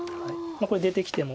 これ出てきても。